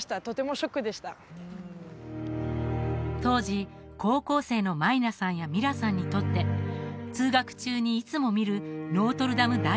とてもショックでした当時高校生の舞南さんやミラさんにとって通学中にいつも見るノートルダム